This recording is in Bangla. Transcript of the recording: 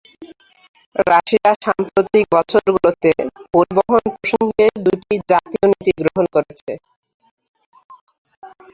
রাশিয়া সাম্প্রতিক বছরগুলোতে পরিবহন প্রসঙ্গে দুটি জাতীয় নীতি গ্রহণ করেছে।